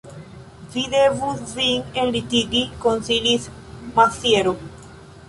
Vi devus vin enlitigi, konsilis Maziero.